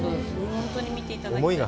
本当に見ていただきたい。